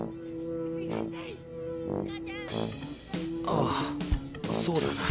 ああそうだな。